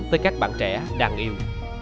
tới các bạn trẻ đang yêu